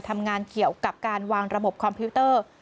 ทำงานเกี่ยวกับการวางระบบคอมพิวเตอร์